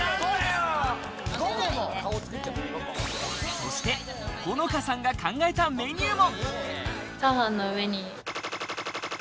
そして穂乃花さんが考えたメニューも。